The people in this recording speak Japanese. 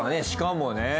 しかもね。